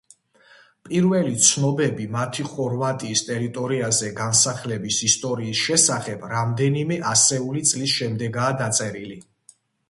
პირველი ცნობები მათი ხორვატიის ტერიტორიაზე განსახლების ისტორიის შესახებ რამდენიმე ასეული წლის შემდეგაა დაწერილი.